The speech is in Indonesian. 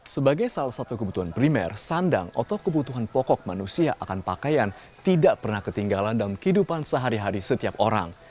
sebagai salah satu kebutuhan primer sandang atau kebutuhan pokok manusia akan pakaian tidak pernah ketinggalan dalam kehidupan sehari hari setiap orang